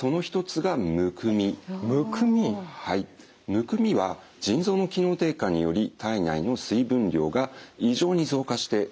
むくみは腎臓の機能低下により体内の水分量が異常に増加して起こっていることがあります。